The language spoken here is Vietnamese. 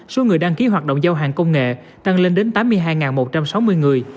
số người đăng ký hoạt động giao hàng công nghệ tăng lên đến tám mươi hai một trăm sáu mươi người